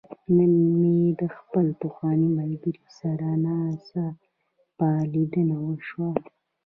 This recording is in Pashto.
نن مې د خپل پخواني ملګري سره ناڅاپه ليدنه وشوه.